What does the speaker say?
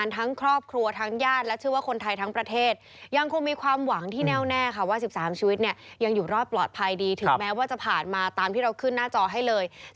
ถึงแม้ว่าจะผ่านมาตามที่เราขึ้นหน้าจอให้เลย